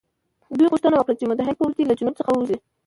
دوی غوښتنه وکړه چې متحد پوځ دې له جنوب څخه ووځي.